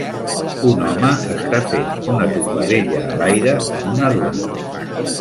Un home està fent una tombarella a l'aire en una duna.